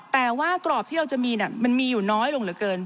แต่ว่ากรอบที่เราจะมีมันมีอยู่น้อยลงเหลือเกิน